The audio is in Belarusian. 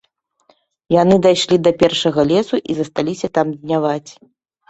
Яны дайшлі да першага лесу і засталіся там дняваць.